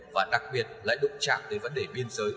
và đặc biệt lại đụng chạm tới vấn đề biên giới